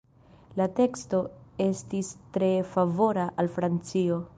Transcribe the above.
La teksto estis tre favora al Francio.